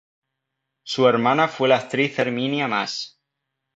Su hermana fue la actriz Herminia Más.